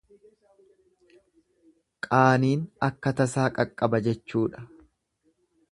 Qaaniin akka tasaa qaqqaba jechuudha.